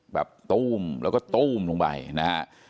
ตู้มแล้วก็ตู้มลงไปนะฮะ